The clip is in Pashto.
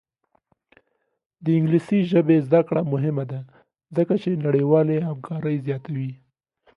د انګلیسي ژبې زده کړه مهمه ده ځکه چې نړیوالې همکاري زیاتوي.